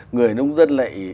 người nông dân lại